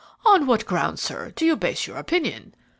"On what grounds, sir, do you base your opinion?"